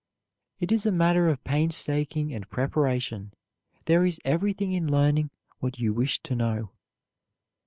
It is a matter of painstaking and preparation. There is everything in learning what you wish to know.